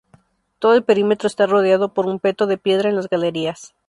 Todo el perímetro está rodeado por un peto de piedra en las galerías.